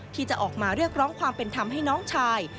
ที่จะออกมาเรียกร้องความเป็นธรรมให้น้องชาย